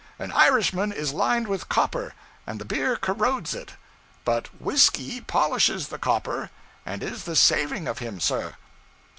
An Irishman is lined with copper, and the beer corrodes it. But whiskey polishes the copper and is the saving of him, sir.'